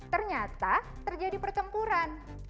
ternyata terjadi pertempuran